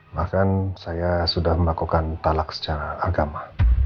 bahkan saya sudah melakukan talak secara agama